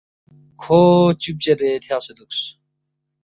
کھو چُب چدے تھیاقسے دُوکس